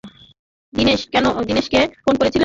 দীনেশ কে ফোন করেছিলে?